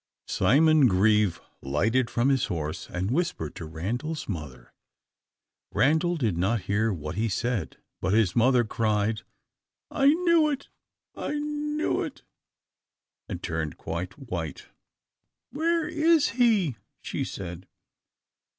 Simon Grieve lighted from his horse, and whispered to Randal's mother. Randal did not hear what he said, but his mother cried, "I knew it! I knew it!" and turned quite white. "Where is he?" she said.